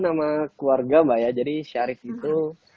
nama keluarga mbak ya jadi syarif itu